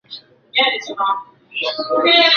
时年三十九。